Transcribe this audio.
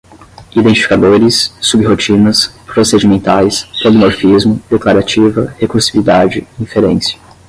identificadores, sub-rotinas, procedimentais, polimorfismo, declarativa, recursividade, inferência